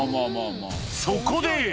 そこで！